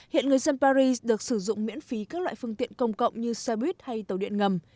hiện người dân paris được sử dụng miễn phí các loại phương tiện công cộng như xe buýt hay tàu điện ngầm